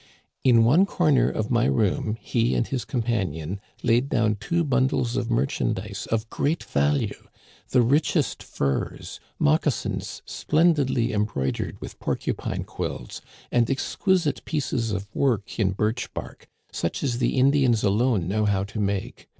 In one corner of my room he and his companion laid down two bun dles of merchandise of great value — the richest furs, moc casins splendidly embroidered with porcupine quills, and exquisite pieces of work in birch bark, such as the In dians alone know how to make.